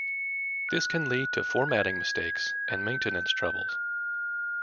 This can lead to formatting mistakes and maintenance troubles.